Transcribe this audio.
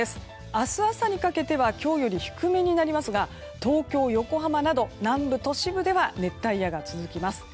明日朝にかけては今日より低めになりますが東京、横浜など南部の都市部では熱帯夜が続きます。